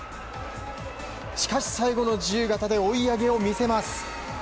しかし最後の自由形で追い上げを見せます。